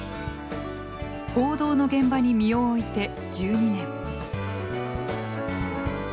報道の現場に身を置いて１２年。